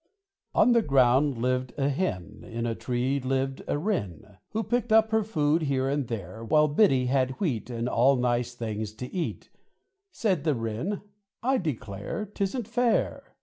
On the ground lived a Hen, In a tree lived a Wren, Who picked up her food here and there; While Biddy had wheat And all nice things to eat Said the Wren, "I declare, 'tisn't fair!